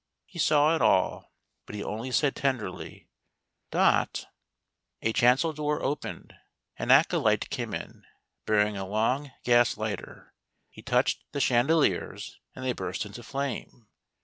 He saw it all, but he only said tenderly :" Dot !" A chancel door opened. An acolyte came in, bear ing a long gas lighter : he touched the chandeliers and they burst into flame.